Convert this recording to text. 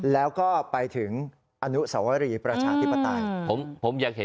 แล้วก็ไปถึงอนุสวรีประชาธิปไตย